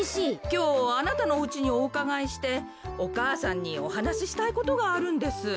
きょうあなたのおうちにおうかがいしてお母さんにおはなししたいことがあるんです。